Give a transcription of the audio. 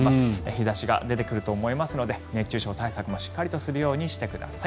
日差しが出てくると思いますので熱中症対策もしっかりするようにしてください。